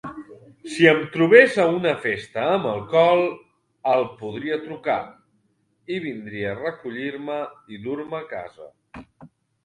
Si em trobés a una festa amb alcohol, el podria trucar i vindria a recollir-me i dur-me a casa.